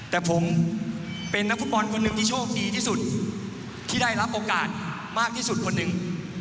แต่ผมเป็นนักฟุตบอลคนหนึ่งที่โชคดีที่สุดที่ได้รับโอกาสมากที่สุดคนหนึ่ง